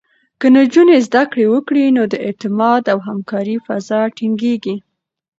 که نجونې زده کړه وکړي، نو د اعتماد او همکارۍ فضا ټینګېږي.